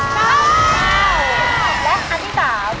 และคำนี่๓